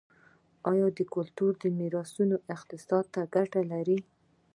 آیا کلتوري میراثونه اقتصاد ته ګټه لري؟